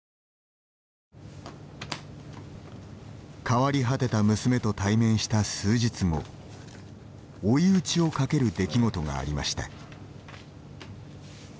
変わり果てた娘と対面した数日後追い打ちをかける出来事がありました。